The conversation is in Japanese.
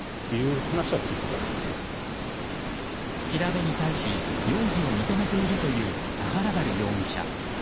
調べに対し容疑を認めているという田原春容疑者。